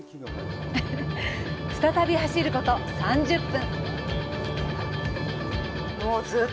再び走ること３０分。